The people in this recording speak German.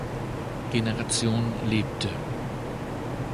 Generation lebte.